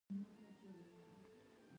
د میلمه لپاره تیاری نیول کیږي.